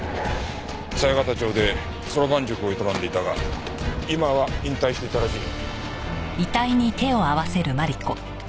紗綾形町でそろばん塾を営んでいたが今は引退していたらしい。